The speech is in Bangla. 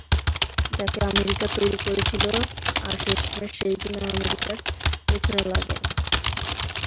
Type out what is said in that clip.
যাকে আমেরিকা তৈরি করেছিল, আর শেষমেষ, সেই কিনা আমেরিকার পেছনে লাগে।